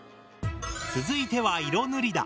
続いては色塗りだ。